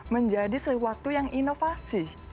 menjadi sesuatu yang inovasi